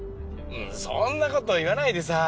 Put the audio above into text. そんなこと言わないでさぁ。